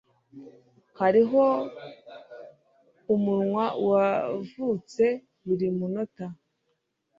Hariho umunwa wavutse buri munota.